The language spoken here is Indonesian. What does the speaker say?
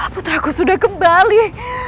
putraku sudah kembali